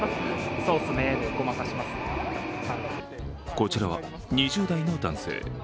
こちらは２０代の男性。